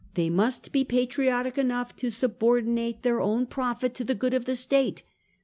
They must be patriotic enough to sub ordinate their own profit to the good of the state.